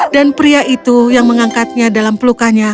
dan pria itu yang mengangkatnya dalam pelukanya